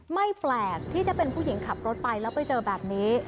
ไม่แปลกที่จะเป็นผู้หญิงขับรถไปแล้วไปเจอแบบนี้